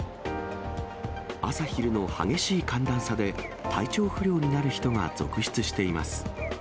朝昼の激しい寒暖差で、体調不良になる人が続出しています。